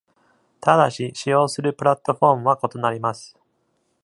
ただし、使用するプラットフォームは異なります。